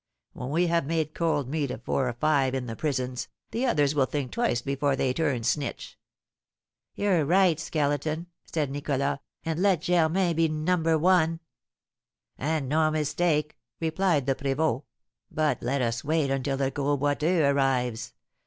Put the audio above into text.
When we have made cold meat of four or five in the prisons, the others will think twice before they turn 'snitch.'" "You're right, Skeleton," said Nicholas; "and let Germain be number one." "And no mistake," replied the prévôt; "but let us wait until the Gros Boiteux arrives.